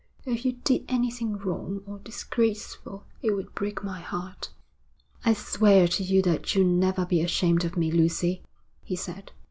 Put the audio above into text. If you did anything wrong or disgraceful it would break my heart.' 'I swear to you that you'll never be ashamed of me, Lucy,' he said.